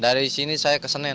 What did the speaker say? dari sini saya ke senin